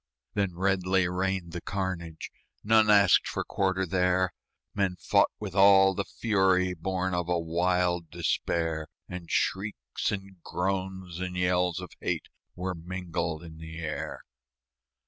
Then redly rained the carnage None asked for quarter there; Men fought with all the fury Born of a wild despair; And shrieks and groans and yells of hate Were mingled in the air.